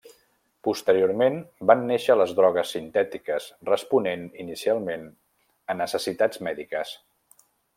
Posteriorment, van néixer les drogues sintètiques responent inicialment a necessitats mèdiques.